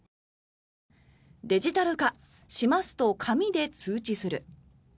「デジタル化しますと紙で通知する」。